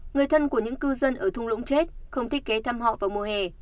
người thân của những cư dân ở thung lũng chết không thiết kế thăm họ vào mùa hè